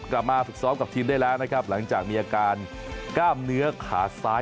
กลับมาฝึกซ้อมกับทีมได้แล้วนะครับหลังจากมีอาการกล้ามเนื้อขาซ้าย